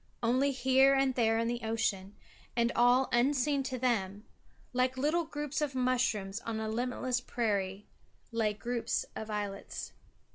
Only here and there in the ocean, and all unseen to them, like little groups of mushrooms on a limitless prairie, lay groups of islets.